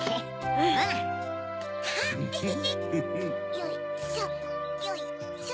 よいしょよいしょ。